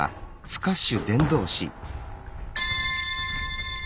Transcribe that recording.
スカッシュ！